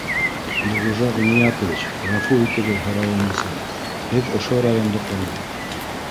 — Илғужа Ғиниәтович, ғәфү итегеҙ һорауым өсөн, һеҙ ошо райондыҡымы?